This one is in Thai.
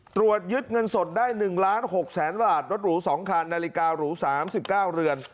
ตรวจยึดเงินสดได้๑ล้าน๖แสนบาทรถหรู๒คันนาฬิการู๓๙เรือน